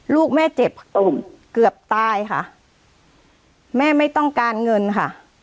ลูกแม่เจ็บตุ่มเกือบตายค่ะแม่ไม่ต้องการเงินค่ะ